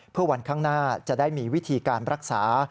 เพื่อวันข้างหน้าจะได้มีวิธีการรักษา